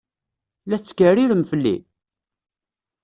La tetkeɛrirem fell-i?